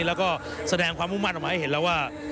แล้วก็แสดงความมุ่งมั่นออกมาให้เห็นแล้วว่า